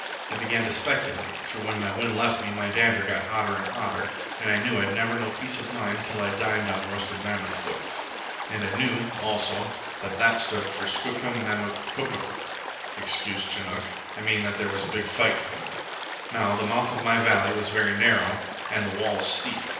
I began to speculate, for when my wind left me my dander got hotter and hotter, and I knew I'd never know peace of mind till I dined on roasted mammoth foot. And I knew, also, that that stood for SKOOKUM MAMOOK PUKAPUK excuse Chinook, I mean there was a big fight coming. Now the mouth of my valley was very narrow, and the walls steep.